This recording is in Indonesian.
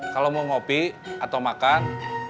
kalau mau ngopi atau makan